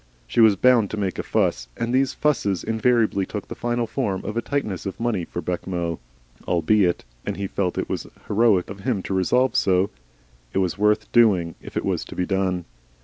She was bound to make a fuss, and these fusses invariably took the final form of a tightness of money for Bechamel. Albeit, and he felt it was heroic of him to resolve so, it was worth doing if it was to be done.